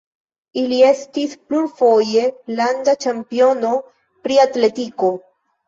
Li estis plurfoje landa ĉampiono pri atletiko.